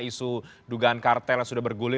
isu dugaan kartel yang sudah bergulir